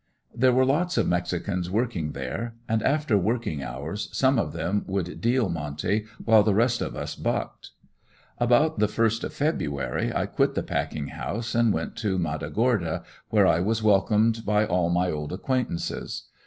There were lots of mexicans working there and after working hours some of them would "deal" monte while the rest of us "bucked." About the first of February I quit the packing house and went to Matagorda where I was welcomed by all my old acquaintances.